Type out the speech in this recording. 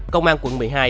công an quận một mươi hai